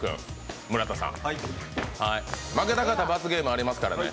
負けた方、罰ゲームありますからね